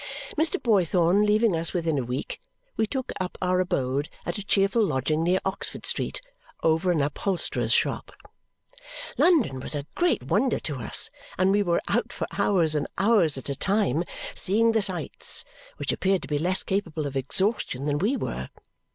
Mr. Boythorn leaving us within a week, we took up our abode at a cheerful lodging near Oxford Street over an upholsterer's shop. London was a great wonder to us, and we were out for hours and hours at a time, seeing the sights, which appeared to be less capable of exhaustion than we were.